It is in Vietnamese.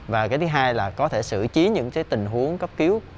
và cái thứ hai là có thể xử trí những tình huống cấp cứu